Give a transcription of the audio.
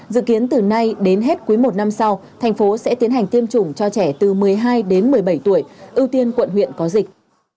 dự kiến từ nay đến hết quý một năm sau thành phố sẽ tiến hành tiêm chủng cho trẻ từ một mươi hai đến một mươi bảy tuổi ưu tiên quận huyện có dịch